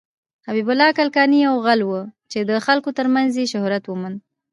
حبيب الله کلکاني يو غل وه ،چې د خلکو تر منځ يې شهرت وموند.